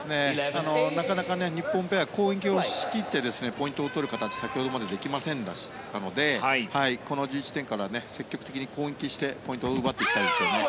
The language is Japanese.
なかなか日本ペア攻撃をしきってポイントを取る形が先ほどまでできませんでしたのでこの１１点から積極的に攻撃して、ポイントを奪っていきたいですね。